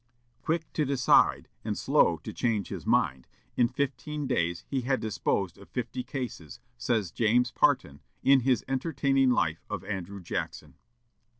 Quick to decide and slow to change his mind, in fifteen days he had disposed of fifty cases, says James Parton, in his entertaining life of Andrew Jackson.